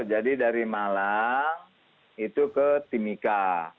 jadi dari malang itu ke timika